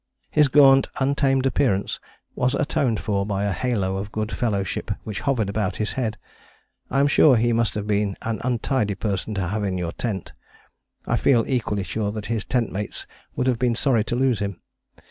His gaunt, untamed appearance was atoned for by a halo of good fellowship which hovered about his head. I am sure he must have been an untidy person to have in your tent: I feel equally sure that his tent mates would have been sorry to lose him.